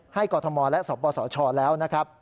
กรทมและสปสชแล้วนะครับ